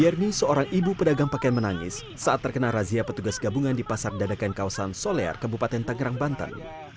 jernie seorang ibu pedagang pakaian menangis saat terkena razia petugas gabungan di pasar dadakan kawasan solear kabupaten tangerang banten